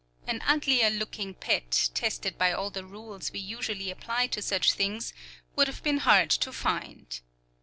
An uglier looking pet, tested by all the rules we usually apply to such things, would have been hard to find.